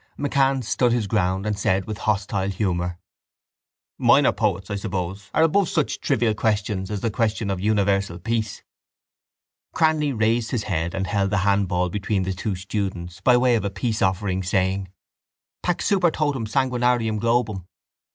MacCann stood his ground and said with hostile humour: —Minor poets, I suppose, are above such trivial questions as the question of universal peace. Cranly raised his head and held the handball between the two students by way of a peaceoffering, saying: —_Pax super totum sanguinarium globum.